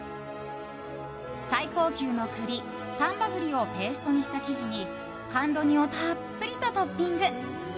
最高級の栗、丹波栗をペーストにした生地に甘露煮をたっぷりとトッピング。